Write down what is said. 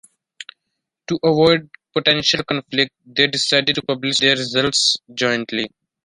To avoid potential conflict, they decided to publish their results jointly.